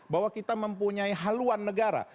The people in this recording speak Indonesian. bahwa kita mempunyai haluan negara